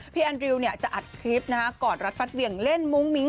แอนดริวจะอัดคลิปนะฮะกอดรัดฟัดเหวี่ยงเล่นมุ้งมิ้ง